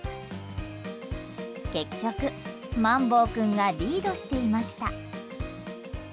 結局、まんぼう君がリードしていました。